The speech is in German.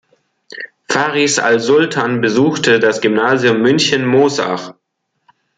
Faris Al-Sultan besuchte das Gymnasium München-Moosach.